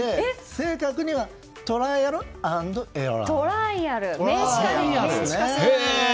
正確にはトライアル＆エラー。